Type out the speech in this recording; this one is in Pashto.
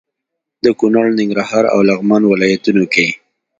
د کونړ، ننګرهار او لغمان ولايتونو کې